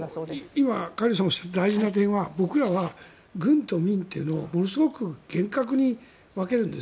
今、カ・リュウさんがおっしゃった大事な点は僕らは軍と民というのをものすごく厳格に分けるんです。